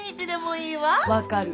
分かる。